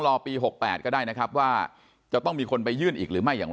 รอปี๖๘ก็ได้นะครับว่าจะต้องมีคนไปยื่นอีกหรือไม่อย่าง